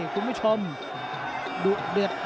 ฝ่ายทั้งเมืองนี้มันตีโต้หรืออีโต้